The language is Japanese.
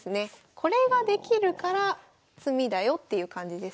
これができるから詰みだよっていう感じです。